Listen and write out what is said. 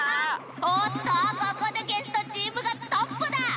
おっとここでゲストチームがトップだ！